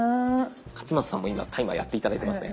勝俣さんも今タイマーやって頂いてますね。